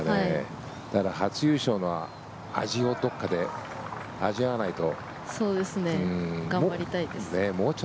ただ、初優勝の味をどこかで味わわないと。